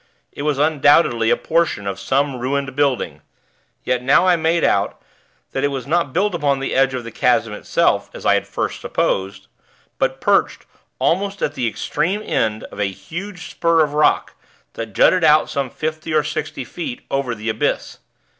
It was undoubtedly a portion of some ruined building; yet now I made out that it was not built upon the edge of the chasm itself, as I had at first supposed; but perched almost at the extreme end of a huge spur of rock that jutted out some fifty or sixty feet over the abyss.